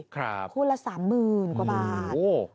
ครับคู่ละ๓๐๐๐๐กว่าบาท